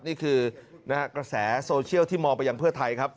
นี่คือกระแสโซเชียลที่มองไปยังเพื่อไทยครับ